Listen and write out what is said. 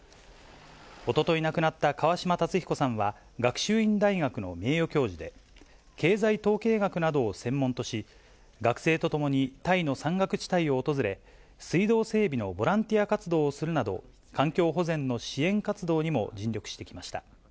おととい亡くなった川嶋辰彦さんは、学習院大学の名誉教授で、経済統計学などを専門とし、学生と共にタイの山岳地帯を訪れ、水道整備のボランティア活動をするなど、環境保全の支援活動にも尽力してきました。